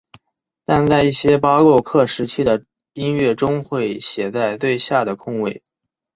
但在一些巴洛克时期的音乐中会写在最下的空位。